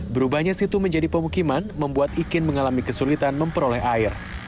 berubahnya situ menjadi pemukiman membuat ikin mengalami kesulitan memperoleh air